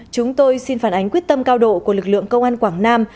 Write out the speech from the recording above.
chúng tôi xin phản ánh quyết tâm cao độ của lực lượng công an quảng nam